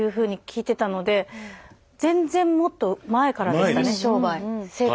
全然もっと前からでしたね商売成功。